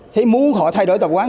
thế muốn họ thay đổi tập quán